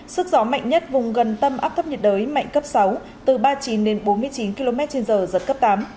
sức gió mạnh nhất vùng gần tâm áp thấp nhiệt đới mạnh cấp sáu từ ba mươi chín đến bốn mươi chín km trên giờ giật cấp tám